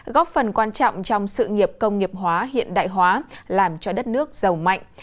góp phần quan trọng trong sự nghiệp công nghiệp hóa hiện đại hóa làm cho đất nước giàu mạnh